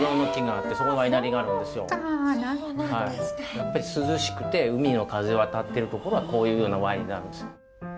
やっぱり涼しくて海の風当たってる所はこういうようなワインになるんです。